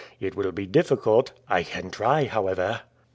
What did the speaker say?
"It will be difficult." "I can try, however."